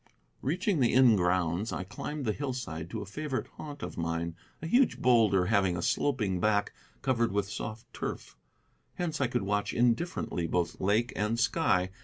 Reaching the inn grounds, I climbed the hillside to a favorite haunt of mine, a huge boulder having a sloping back covered with soft turf. Hence I could watch indifferently both lake and sky.